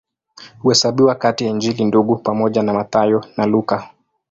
Huhesabiwa kati ya Injili Ndugu pamoja na Mathayo na Luka.